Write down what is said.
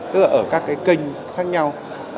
tức là ở các cái kênh khác nhau